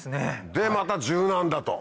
でまた柔軟だと。